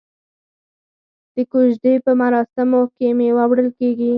د کوژدې په مراسمو کې میوه وړل کیږي.